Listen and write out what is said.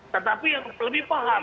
tetapi yang lebih paham